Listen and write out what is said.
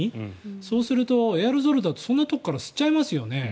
そうするとエアロゾルだとそんなところから吸っちゃいますよね。